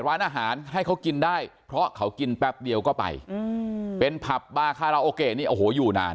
ร้านอาหารให้เขากินได้เพราะเขากินแป๊บเดียวก็ไปเป็นผับบาคาราโอเกะนี่โอ้โหอยู่นาน